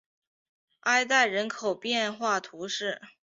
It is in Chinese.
埃代人口变化图示